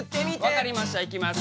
分かりましたいきます。